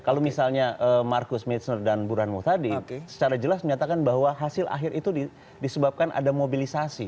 kalau misalnya markus mitsner dan burhan muthadi secara jelas menyatakan bahwa hasil akhir itu disebabkan ada mobilisasi